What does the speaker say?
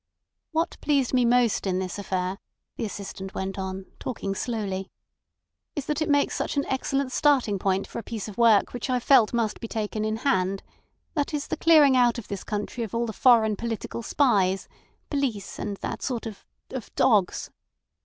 "What pleased me most in this affair," the Assistant went on, talking slowly, "is that it makes such an excellent starting point for a piece of work which I've felt must be taken in hand—that is, the clearing out of this country of all the foreign political spies, police, and that sort of—of—dogs.